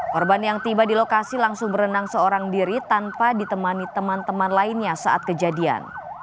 korban yang tiba di lokasi langsung berenang seorang diri tanpa ditemani teman teman lainnya saat kejadian